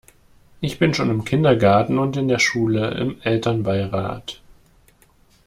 Ich bin schon im Kindergarten und in der Schule im Elternbeirat.